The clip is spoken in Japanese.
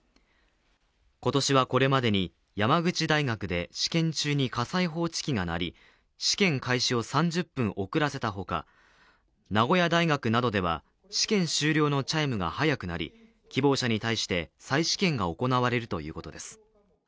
今年はこれまでに、山口大学で試験中に火災報知機が鳴り、試験開始を３０分遅らせた他、名古屋大学などでは試験終了のチャイムが早く鳴り、希望者に対して再試験が行われるということです。